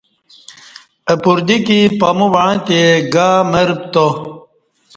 اہ پردیکی پمووݩعتے گامر پتا